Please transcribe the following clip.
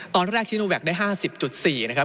ตอนแรกชิโนแวคได้๕๐๔นะครับ